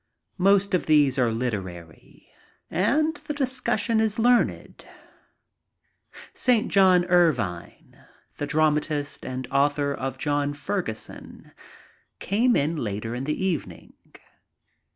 Most of these are literary, and the discussion is learned. St. John Ervine, the dramatist and author of John Ferguson, came in later in the evening.